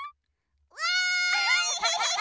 わい！